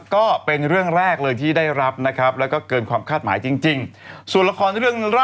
ก็เป็นเรื่องแรกที่ได้รับและก็เกินข้ามคาดหมายจริง